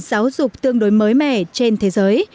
giáo dục tương đối mới mẻ trên thế giới